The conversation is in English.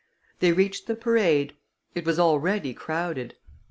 They reached the parade: it was already crowded.